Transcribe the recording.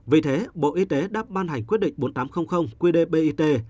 vì thế bộ y tế đã ban hành quyết định bốn nghìn tám trăm linh qdbit